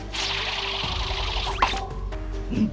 うん？